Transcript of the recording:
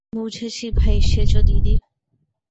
বুঝেছি ভাই সেজদিদি!